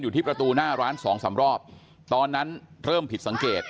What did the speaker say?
อยู่ที่ประตูหน้าร้าน๒๓รอบตอนนั้นเริ่มผิดสังเกต